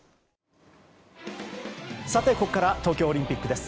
さて、ここから東京オリンピックです。